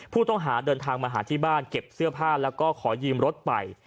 ผู้ต้องหาเดินทางมาหาที่บ้านเก็บเสื้อผ้าแล้วก็ขอยืมรถไป